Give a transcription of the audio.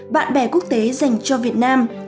bạn bè quốc tế dành cho việt nam